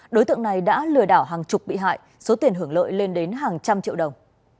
đối tượng này đã lừa đảo hàng chục bị hại số tiền hưởng lợi lên đến hàng trăm triệu đồng